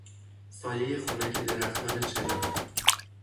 سایهی خنک درختان چنار